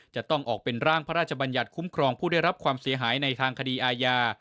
จะต้องออกเป็นร่างพระราชบัญญัติคุ้มครองผู้ได้รับความเสียหายในทางคดีอาญา